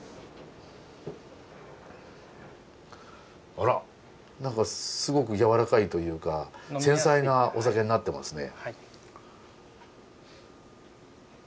あら何かすごくやわらかいというか繊細なお酒になってますね。